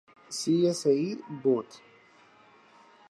Sci., Bot.